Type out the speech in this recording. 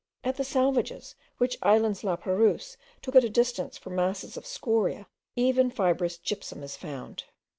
At the Salvages, which islands La Perouse took at a distance for masses of scoriae, even fibrous gypsum is found.